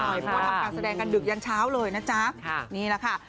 เพราะว่าทำการแสดงกันดึกยันเช้าเลยนะจ๊ะนี่แหละค่ะ